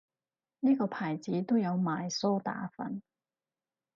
呢個牌子都有賣梳打粉